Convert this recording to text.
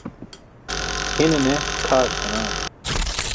Hine ne tʰaar senaan.